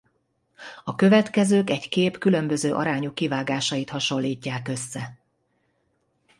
A következők egy kép különböző arányú kivágásait hasonlítják össze.